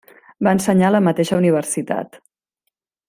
Va ensenyar a la mateixa universitat.